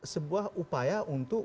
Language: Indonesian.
sebuah upaya untuk